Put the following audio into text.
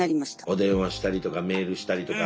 お電話したりとかメールしたりとか。